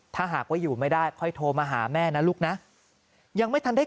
ถ้าหากว่าอยู่ไม่ได้ค่อยโทรมาหาแม่นะลูกนะยังไม่ทันได้